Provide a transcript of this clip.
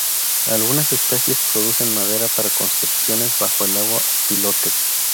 Algunas especies producen madera para construcciones bajo el agua o pilotes.